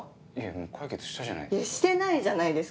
もう解決したじゃないですか。